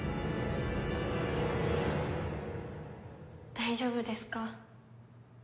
大丈夫ですか？